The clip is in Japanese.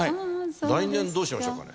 来年どうしましょうかね？